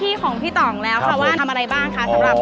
อุปกรณ์ที่ใช้เสื้อผ้าก็นำเข้าหมด